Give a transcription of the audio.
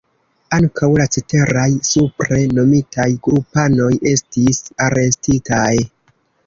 Ankaŭ la ceteraj supre nomitaj grupanoj estis arestitaj.